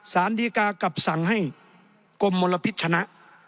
สารดีกากลับสั่งให้กรมมลพิษชนะ